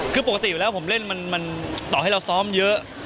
คือปกติอยู่แล้วผมเล่นมันต่อให้เราซ้อมเยอะ